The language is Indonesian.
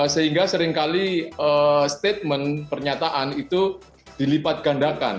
sehingga seringkali statement pernyataan itu dilipat gandakan